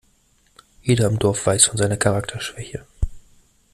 Jeder im Dorf weiß von seiner Charakterschwäche.